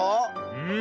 うん。